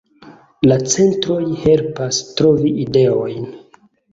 La centroj helpas trovi ideojn.